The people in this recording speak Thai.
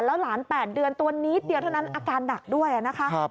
แล้วหลาน๘เดือนตัวนิดเดียวเท่านั้นอาการหนักด้วยนะคะ